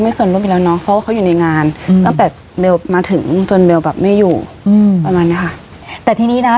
ทีนี้พูดถึงจนไม่หยุดคือนะคะ